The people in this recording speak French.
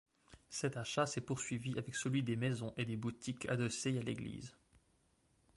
Cet achat s'est poursuivi avec celui des maisons et des boutiques adossées à l'église.